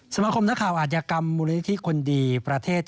สมาคมนักข่าวอาจยากรรมมูลนิธิคนดีประเทศ